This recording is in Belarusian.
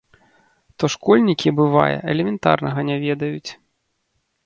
То школьнікі, бывае, элементарнага не ведаюць.